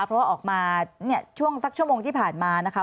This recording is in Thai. เพราะออกมาช่วงสักชั่วโหมงที่ผ่านมานะคะ